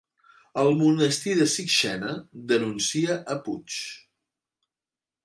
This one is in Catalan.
El monestir de Sixena denuncia a Puig